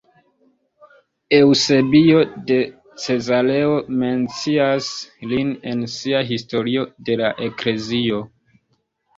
Eŭsebio de Cezareo mencias lin en sia Historio de la Eklezio.